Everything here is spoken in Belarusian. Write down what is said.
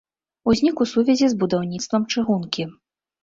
Узнік у сувязі з будаўніцтвам чыгункі.